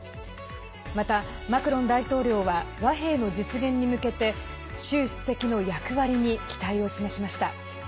また、マクロン大統領は和平の実現に向けて習主席の役割に期待を示しました。